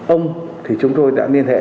ông thì chúng tôi đã liên hệ